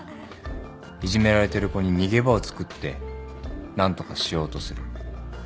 いじめられてる子に逃げ場をつくって何とかしようとする。